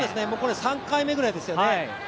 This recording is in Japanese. ３回目ぐらいですよね。